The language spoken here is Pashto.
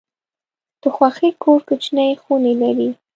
د خوښۍ کور کوچني خونې لري.